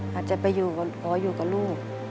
อาจจะไปอยู่กับหรืออยู่กับลูก